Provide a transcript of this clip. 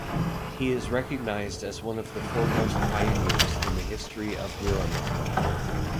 He is recognized as one of the foremost pioneers in the history of Miramar.